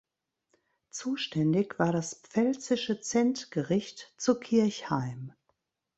Zuständig war das pfälzische Zentgericht zu Kirchheim.